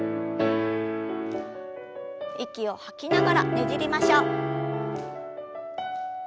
息を吐きながらねじりましょう。